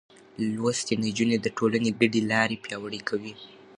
لوستې نجونې د ټولنې ګډې لارې پياوړې کوي.